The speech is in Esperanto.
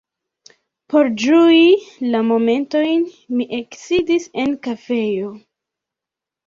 Por ĝui la momentojn mi eksidis en kafejo.